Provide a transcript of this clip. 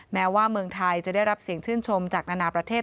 แม้ว่าเมืองไทยจะได้รับเสียงชื่นชมจากนานาประเทศ